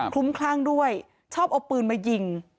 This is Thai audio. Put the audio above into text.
ลุ้มคลั่งด้วยชอบเอาปืนมายิง